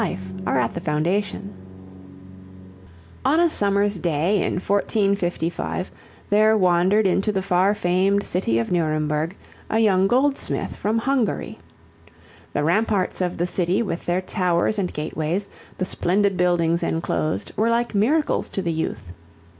Longfellow] On a summer's day in 1455, there wandered into the far famed city of Nuremberg a young goldsmith from Hungary. The ramparts of the city with their towers and gateways, the splendid buildings enclosed, were like miracles to the youth.